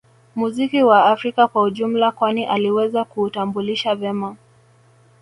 Muziki wa Afrika kwa ujumla kwani aliweza kuutambulisha vema